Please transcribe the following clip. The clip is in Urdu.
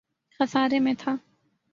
خسارے میں تھا